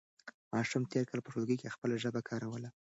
ماشوم تېر کال په ټولګي کې خپله ژبه کاروله.